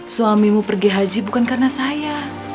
suamimu pergi haji bukan karena saya